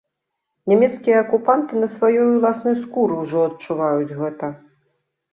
Нямецкія акупанты на сваёй уласнай скуры ўжо адчуваюць гэта.